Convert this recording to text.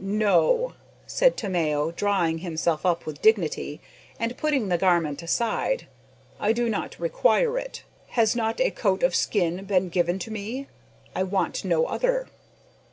"No," said Tomeo, drawing himself up with dignity, and putting the garment aside, "I do not require it. Has not a coat of skin been given to me? I want no other."